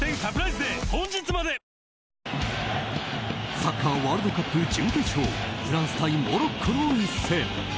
サッカーワールドカップ準決勝フランス対モロッコの一戦。